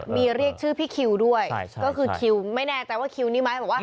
มีเรียกชื่อพี่คิวด้วยก็คือคิวไม่แน่ใจว่าคิวนี้ไหมบอกว่า